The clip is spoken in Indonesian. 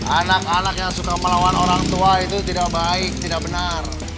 anak anak yang suka melawan orang tua itu tidak baik tidak benar